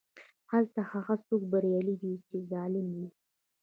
هلته هغه څوک بریالی دی چې ظالم وي.